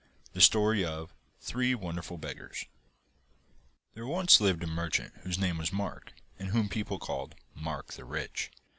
THE STORY OF THREE WONDERFUL BEGGARS There once lived a merchant whose name was Mark, and whom people called 'Mark the Rich.